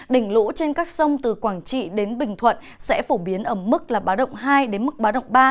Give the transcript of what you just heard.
đỉnh lũ trên các sông từ quảng trị đến bình thuận sẽ phổ biến ở mức là báo động hai đến mức báo động ba